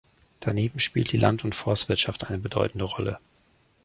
Daneben spielt die Land- und Forstwirtschaft eine bedeutende Rolle.